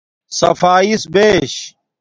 صفاݵس بیش